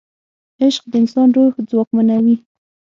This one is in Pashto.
عشق د انسان روح ځواکمنوي.